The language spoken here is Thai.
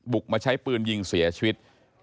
มาใช้ปืนยิงเสียชีวิต